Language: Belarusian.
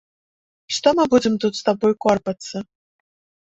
Што мы будзем тут з табою корпацца.